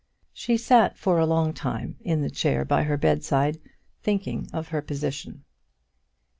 She sat for a long time in the chair by her bed side thinking of her position.